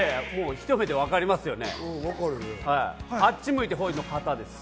ひと目でわかりますよね。